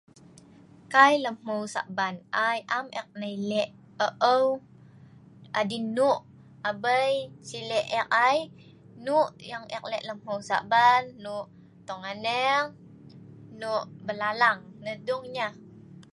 kai lem hmeu Sa'ban ai am eek lek ou'eu adin nue'. abei si' lek eek ai, nue' eek lek lem hmeu Sa'ban nue' Tong Aneng, nue' Belalang nah dung nyeh'.